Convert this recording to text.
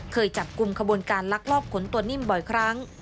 เคยจับกลุ่มขบวนการลักลอบขนตัวนิ่มบ่อยครั้ง